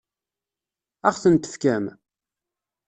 Ad ɣ-ten-tefkem?